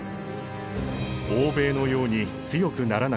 欧米のように強くならなければ。